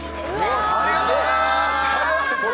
ありがとうございます。